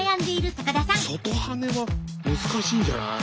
外はねは難しいんじゃない？